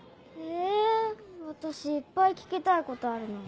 え私いっぱい聞きたいことあるのに。